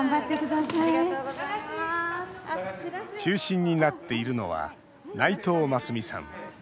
中心になっているのは内藤真澄さん。